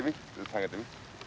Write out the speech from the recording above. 下げてみ。